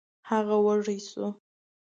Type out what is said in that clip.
هغه وږی شو.